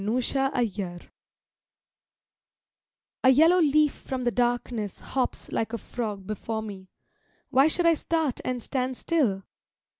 BROODING GRIEF A YELLOW leaf from the darkness Hops like a frog before me. Why should I start and stand still?